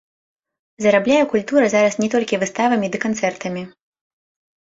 Зарабляе культура зараз не толькі выставамі ды канцэртамі.